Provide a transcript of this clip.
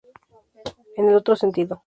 En el otro sentido.